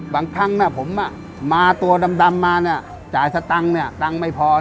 บางครั้งผมมาตัวดำมาจ่ายซะตังค์ตังค์ไม่พอ